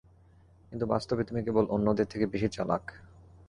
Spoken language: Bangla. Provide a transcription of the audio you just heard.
কিন্তু বাস্তবে তুমি কেবল অন্যদের থেকে বেশি চালাক।